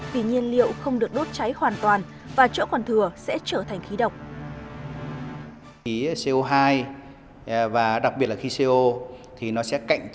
vì nhiên liệu không được đốt cháy hoàn toàn và chỗ còn thừa sẽ trở thành khí độc